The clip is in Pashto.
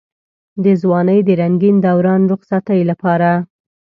د ځوانۍ د رنګين دوران رخصتۍ لپاره.